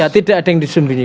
tidak ada yang disembunyi